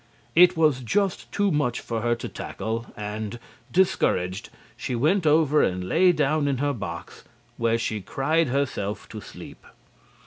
It was just too much for her to tackle, and, discouraged, she went over and lay down in her box, where she cried herself to sleep.